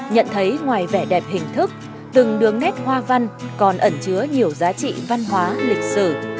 nhận thấy ngoài vẻ đẹp hình thức từng đường nét hoa văn còn ẩn chứa nhiều giá trị văn hóa lịch sử